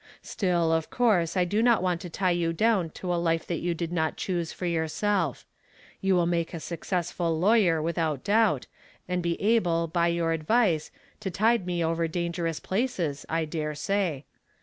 Still, of course I do not want to tie you down to a life that you did not choose for youi self. You will make a suc cessful lawyer, without doubt, and be able by your advice to tide me over dangerous places, I dare say.